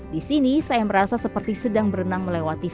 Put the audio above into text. di sini saya merasa seperti sedang berenang melewati sungai